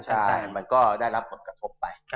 ใช่มันก็ได้รับผลกระทบไป